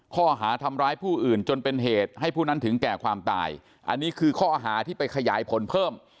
ข้อหาทำร้ายผู้อื่นจนเป็นเหตุให้ผู้นั้นถึงแก่ความตายอันนี้คือข้อหาที่ไปขยายผลเพิ่ม